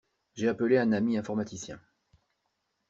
J'ai appelé un ami informaticien.